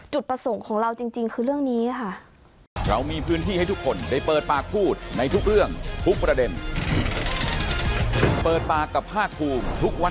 จุดประสงค์ของเราจริงคือเรื่องนี้ค่ะ